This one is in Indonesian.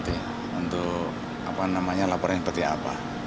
untuk apa namanya laporan seperti apa